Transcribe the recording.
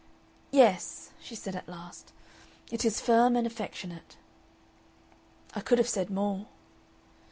"Yes," she said at last, "it is firm and affectionate." "I could have said more."